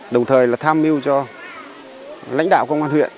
đồng thời là tham mưu cho lãnh đạo công an huyện